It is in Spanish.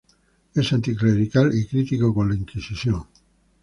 Es anticlerical y crítico con la Inquisición.